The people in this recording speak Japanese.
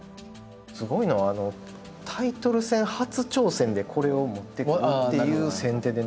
すごいのはタイトル戦初挑戦でこれを持ってくるっていう先手でね。